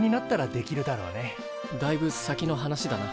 だいぶ先の話だな。